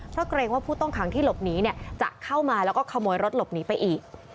เพราะเกรงว่าผู้ต้องขังที่หลบหนีจะเข้ามาแล้วก็ขโมยรถหลบหนีไปอีก